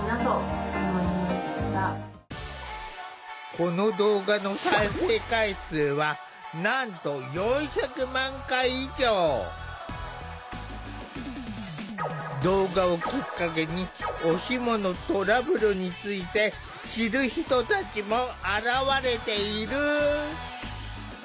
この動画の再生回数はなんと動画をきっかけにおシモのトラブルについて知る人たちも現れている。